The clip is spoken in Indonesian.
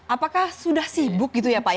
apakah sudah sibuk gitu ya pak ya